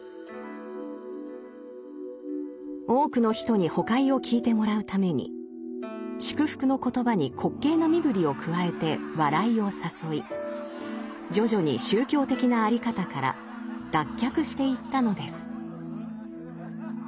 多くの人にほかひを聞いてもらうために祝福の言葉に滑稽な身ぶりを加えて「笑い」を誘い徐々に宗教的な在り方から脱却していったのです。